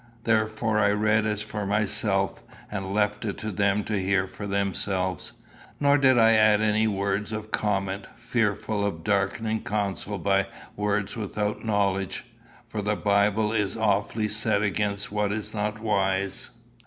Therefore I read as for myself, and left it to them to hear for themselves. Nor did I add any word of comment, fearful of darkening counsel by words without knowledge. For the Bible is awfully set against what is not wise.